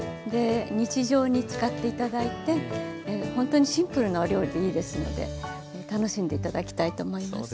日常に使って頂いてほんとにシンプルなお料理でいいですので楽しんで頂きたいと思います。